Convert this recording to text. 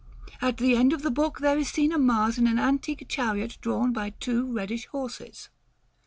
At the end of the book there is seen a Mars in an antique chariot drawn by two reddish horses.